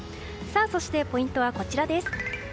そして、ポイントはこちらです。